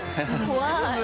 怖い。